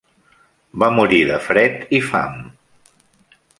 Va morir de fred i fam.